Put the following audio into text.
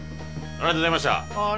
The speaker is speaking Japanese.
ありがとうございましたああ